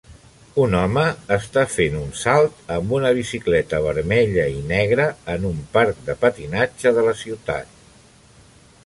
Un home està fent un salt amb una bicicleta vermella i negra en un parc de patinatge de la ciutat.